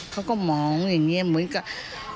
เขาก็มองอย่างนี้เหมือนกับ